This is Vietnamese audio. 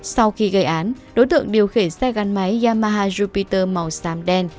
sau khi gây án đối tượng điều khiển xe gắn máy yamaha jupiter màu xám đen